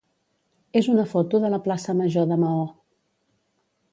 és una foto de la plaça major de Maó.